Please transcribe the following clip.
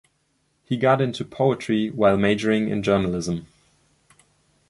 He got into poetry while majoring in journalism.